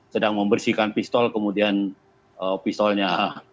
sedang membersihkan pistol kemudian pistolnya